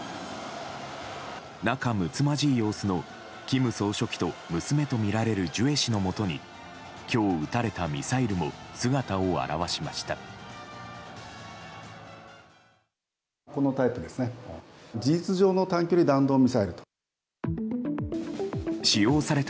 仲むつまじい様子の金総書記と娘とみられるジュエ氏のもとに今日撃たれたミサイルも姿を現しました。